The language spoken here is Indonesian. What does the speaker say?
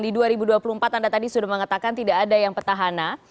di dua ribu dua puluh empat anda tadi sudah mengatakan tidak ada yang petahana